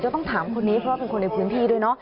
จะต้องถามคนนี้เพราะเป็นคนในพื้นที่ด้วย